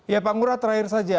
ya pak ngurah terakhir saja